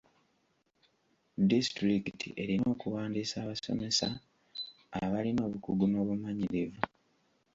Disitulikiti erina okuwandiisa abasomesa abalina obukugu n'obumanyirivu.